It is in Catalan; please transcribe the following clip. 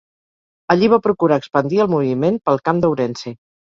Allí va procurar expandir el moviment pel camp d'Ourense.